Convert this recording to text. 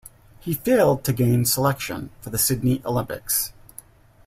He failed to gain selection for the Sydney Olympics.